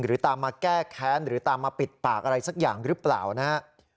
หรือตามมาแก้แค้นหรือตามมาปิดปากอะไรสักอย่างหรือเปล่านะครับ